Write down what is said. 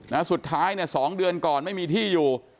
สุดท้ายเนี่ยสองเดือนก่อนไม่มีที่อยู่